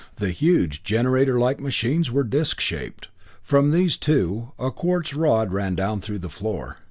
The huge generator like machines were disc shaped. From these, too, a quartz rod ran down through the floor.